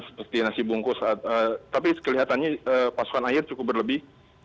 seperti nasi bungkus tapi kelihatannya pasokan air cukup berlebih